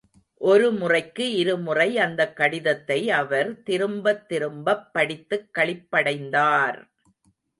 ஒருமுறைக்கு இருமுறை அந்தக் கடிதத்தை அவர் திரும்பத் திரும்பப் படித்துக் களிப்படைந்தார்!